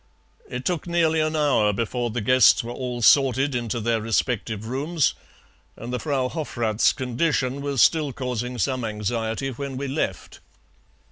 It took nearly an hour before the guests were all sorted into their respective rooms, and the Frau Hofrath's condition was still causing some anxiety when we left.